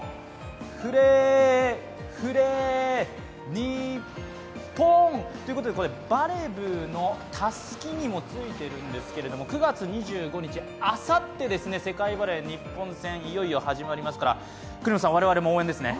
フレー・フレー・ニッポン！ということで、バレブーのたすきにもついているんですけれども、９月２５日、あさって世界バレー日本戦、いよいよ始まりますから、我々も応援ですね。